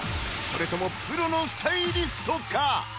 それともプロのスタイリストか？